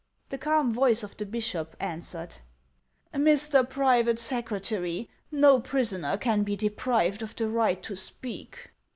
The calm voice of the bishop answered :" Mr. Private Secretary, no prisoner can be deprived of the right to speak."